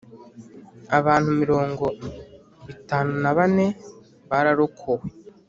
Abntu mirongo itanu na bane bararokowe.